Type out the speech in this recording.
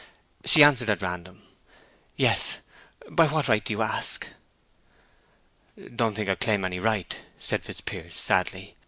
She answered at random. "Yes. By what right do you ask?" "Don't think I claim any right," said Fitzpiers, sadly.